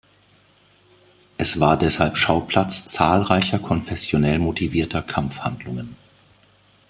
Es war deshalb Schauplatz zahlreicher konfessionell motivierter Kampfhandlungen.